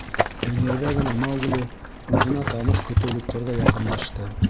Эңерҙә генә Маугли үҙенә таныш көтөүлектәргә яҡынлашты.